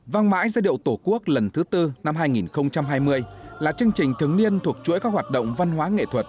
vang mãi giai điệu tổ quốc lần thứ tư năm hai nghìn hai mươi là chương trình thường niên thuộc chuỗi các hoạt động văn hóa nghệ thuật